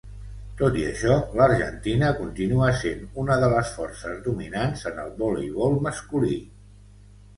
Tot i això, l'Argentina continua sent una de les forces dominants en el voleibol masculí.